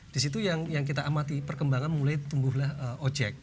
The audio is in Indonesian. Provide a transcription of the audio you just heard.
disitu yang kita amati perkembangan mulai tumbuhlah ojek